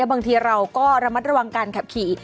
บางทีเราก็ระมัดระวังการขับขี่